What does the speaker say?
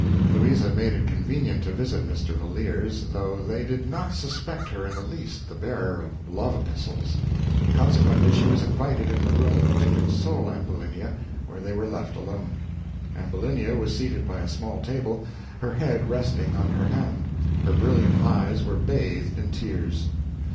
Louisa made it convenient to visit Mr. Valeer's, though they did not suspect her in the least the bearer of love epistles; consequently, she was invited in the room to console Ambulinia, where they were left alone. Ambulinia was seated by a small table her head resting on her hand her brilliant eyes were bathed in tears.